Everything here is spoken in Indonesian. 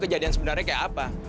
kejadian sebenarnya kayak apa